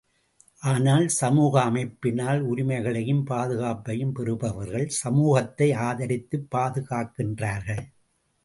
ஆனால் சமூக அமைப்பினால் உரிமைகளையும் பாதுகாப்பையும் பெறுபவர்கள் சமூகத்தை ஆதரித்துப் பாது காக்கின்றார்கள்.